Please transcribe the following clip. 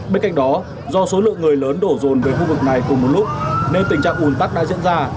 bên cạnh đó do số lượng người lớn đổ rồn về khu vực này cùng một lúc nên tình trạng ủn tắc đã diễn ra